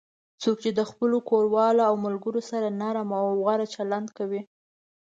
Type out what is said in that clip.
څوک چې خپلو کوروالو او ملگرو سره نرم او غوره چلند کوي